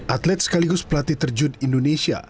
atlet sekaligus pelatih terjun indonesia